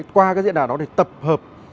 qua cái diện đạo đó để tập hợp